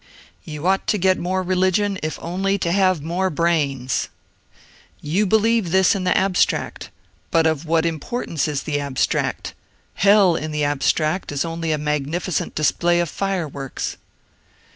" You ought to get more religion if only to have more brains !"*'*' You believe this in the abstract. But of what importance is the abstract ? Hell in the abstract is only a magnificent display of fireworks."